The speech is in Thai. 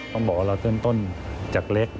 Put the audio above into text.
ต้องบอกว่าเราเริ่มต้นจากเล็ก